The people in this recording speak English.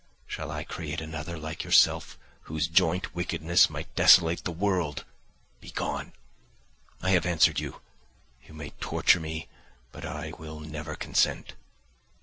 Shall I create another like yourself, whose joint wickedness might desolate the world. Begone! I have answered you; you may torture me, but I will never consent."